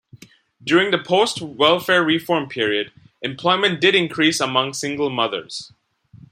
During the post-welfare reform period, employment did increase among single mothers.